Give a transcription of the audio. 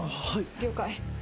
了解。